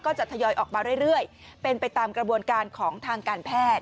จะทยอยออกมาเรื่อยเป็นไปตามกระบวนการของทางการแพทย์